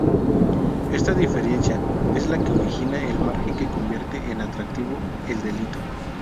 Esta diferencia es la que origina el margen que convierte en atractivo el delito.